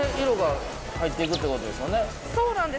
そうなんです。